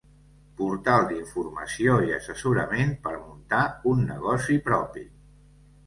Portal d'informació i assessorament per muntar un negoci propi.